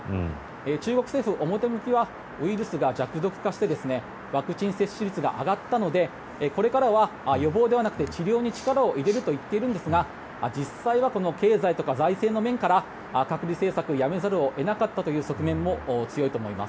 中国政府、表向きはウイルスが弱毒化してワクチン接種率が上がったのでこれからは予防ではなくて治療に力を入れると言っているんですが実際はこの経済とか財政の面から隔離政策をやめざるを得なかったという側面も強いと思います。